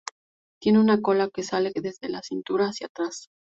Tiene una cola que sale desde su cintura hacia atrás.